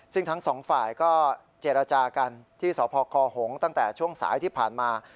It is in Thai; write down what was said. ซึ่งทั้งสองฝ่ายก็เจรจากันที่สพคหงษ์ตั้งแต่ช่วงสายที่ผ่านมา